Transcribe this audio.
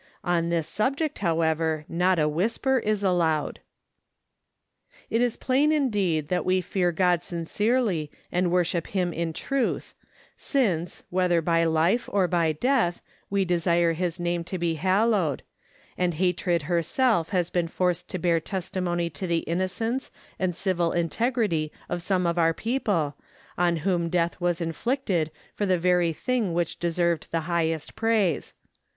On this subject, however, not a whisper is allowed.... It is plain indeed that we fear God sincerely and worship him in truth, since, whether by life or by death, we desire his name to be hallowed; and hatred herself has been forced to bear testimony to the innocence and civil integrity of some of our people, on whom death was inflicted for the very thing which deserved the highest praise.